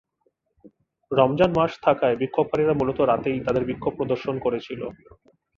রমজান মাস থাকায় বিক্ষোভকারীরা মূলত রাতেই তাদের বিক্ষোভ প্রদর্শন করেছিল।